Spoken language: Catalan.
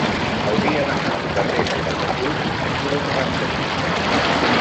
Hauria d'anar al carrer de Catasús número noranta-sis.